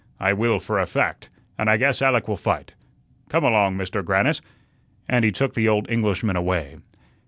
I will, for a fact, and I guess Alec will fight. Come along, Mister Grannis," and he took the old Englishman away.